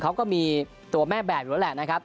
เขาก็มีตัวแม่แบบอยู่แล้วแหละนะครับ